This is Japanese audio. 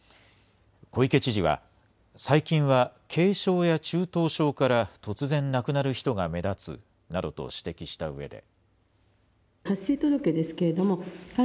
小池知事は、最近は軽症や中等症から突然亡くなる人が目立つなどと指摘したうえで。